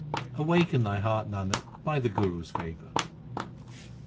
Awaken thy heart, Nanak, by the Guru s favour.